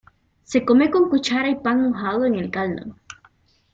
Se come con cuchara y pan mojado en el caldo.